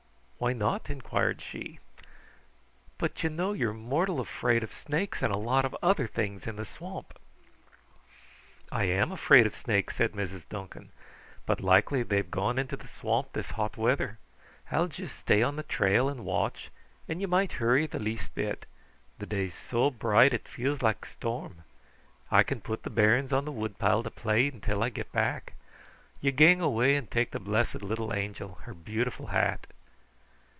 "Why not?" inquired she. "But you know you're mortal afraid of snakes and a lot of other things in the swamp." "I am afraid of snakes," said Mrs. Duncan, "but likely they've gone into the swamp this hot weather. I'll juist stay on the trail and watch, and ye might hurry the least bit. The day's so bright it feels like storm. I can put the bairns on the woodpile to play until I get back. Ye gang awa and take the blessed little angel her beautiful hat."